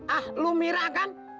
ah lu mira kan